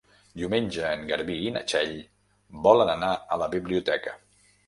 Diumenge en Garbí i na Txell volen anar a la biblioteca.